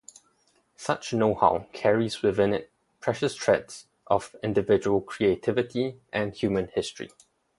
Such know-how carries within it precious threads of individual creativity and human history.